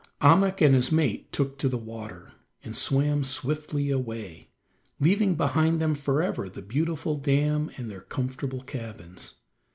Ahmuk and his mate took to the water, and swam swiftly away, leaving behind them forever the beautiful dam and their comfortable cabins.